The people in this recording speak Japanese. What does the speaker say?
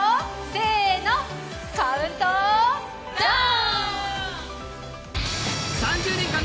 せーの、カウントダウン！